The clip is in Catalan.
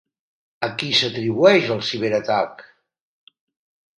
A qui s'atribueix el ciberatac?